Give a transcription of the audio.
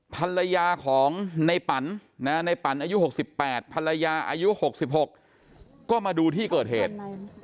ภรรยาของในปั่นในปั่นอายุ๖๘ภรรยาอายุ๖๖ก็มาดูที่เกิดเหตุ